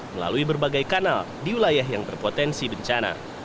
melalui berbagai kanal di wilayah yang berpotensi bencana